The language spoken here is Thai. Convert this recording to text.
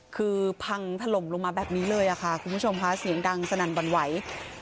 คือพังถล่มลงมาแบบนี้เลยค่ะคุณผู้ชมค่ะเสียงดังสนั่นหวั่นไหว